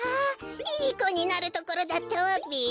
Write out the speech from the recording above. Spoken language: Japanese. いいこになるところだったわべ。